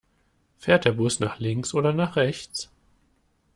Fährt der Bus nach links oder nach rechts?